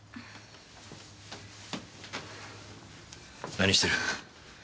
何してる。